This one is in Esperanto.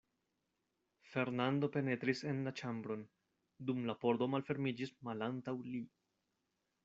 Fernando penetris en la ĉambron, dum la pordo malfermiĝis malantaŭ li.